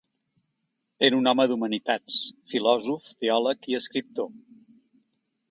Era un home d'humanitats: filòsof, teòleg i escriptor.